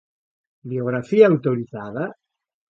Biografía autorizada?